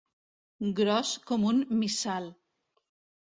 Gros com un missal.